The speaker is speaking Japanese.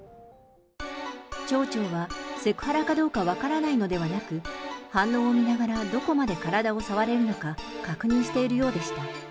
町長はセクハラかどうか分からないのではなく、反応を見ながらどこまで体を触れるのか、確認しているようでした。